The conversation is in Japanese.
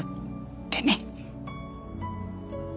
ってね。